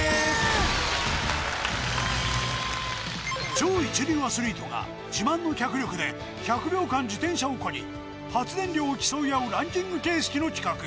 超一流アスリートが自慢の脚力で１００秒間自転車を漕ぎ発電量を競い合うランキング形式の企画